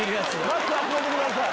バッグ集めてください。